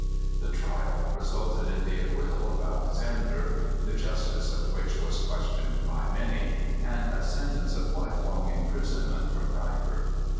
The trial resulted in the acquittal of Alexander, the justice of which was questioned by man}^ and a sentence of lifelong imprisonment for Geiger.